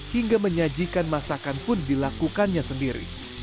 hingga menyajikan masakan pun dilakukannya sendiri